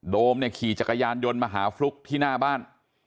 มเนี่ยขี่จักรยานยนต์มาหาฟลุ๊กที่หน้าบ้าน